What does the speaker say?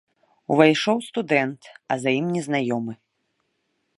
Увайшоў студэнт, а за ім незнаёмы.